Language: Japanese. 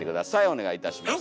お願いいたします。